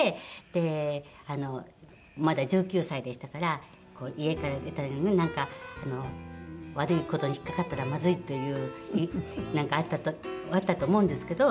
でまだ１９歳でしたから家から出たらねなんか悪い事に引っかかったらまずいというなんかあったと思うんですけど。